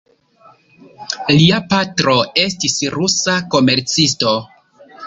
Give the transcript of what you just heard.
Lia patro estis rusa komercisto.